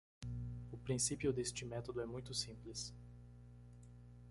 O princípio deste método é muito simples